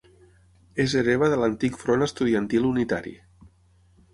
És hereva de l'antic Front Estudiantil Unitari.